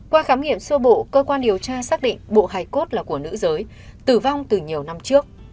qua khám nghiệm sơ bộ cơ quan điều tra xác định bộ hài cốt là của nữ giới tử vong từ nhiều năm trước